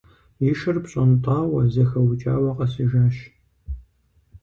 И шыр пщӀэнтӀауэ, зэхэукӀауэ къэсыжащ.